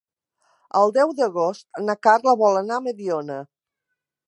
El deu d'agost na Carla vol anar a Mediona.